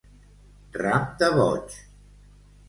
Ram de boig.